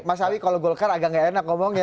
mas sawi kalau golkar agak tidak enak ngomong ya